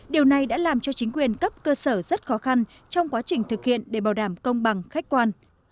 điều này đã làm cho chính quyền cấp cơ sở rất khó khăn trong quá trình thực hiện để bảo đảm công bằng khách quan